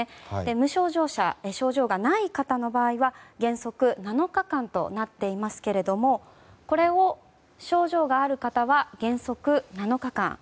無症状者、症状がない方の場合は原則７日間となっていますがこれを症状がある方は原則７日間。